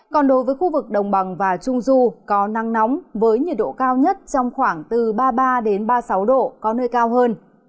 còn đối với khu vực đồng bằng và trung du có nắng nóng với nhiệt độ cao nhất trong khoảng từ ba mươi ba ba mươi sáu độ có nơi cao hơn